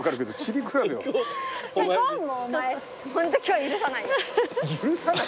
ホント今日許さない。